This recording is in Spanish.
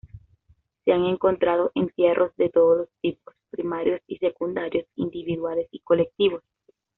Se han encontrado entierros de todos los tipos, primarios y secundarios, individuales y colectivos.